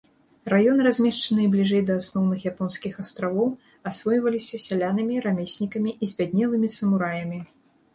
Раёны, размешчаныя бліжэй да асноўных японскіх астравоў, асвойваліся сялянамі, рамеснікамі і збяднелымі самураямі.